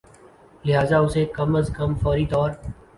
لہذا اسے کم از کم فوری طور